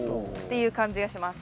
いう感じがします。